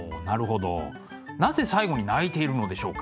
なぜ最後に泣いているのでしょうか？